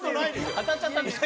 当たっちゃったんでしょ？